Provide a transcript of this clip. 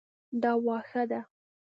دا واښه ده